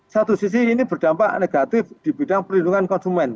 satu sisi ini berdampak negatif di bidang perlindungan konsumen